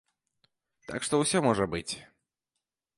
Так што ўсё можа быць.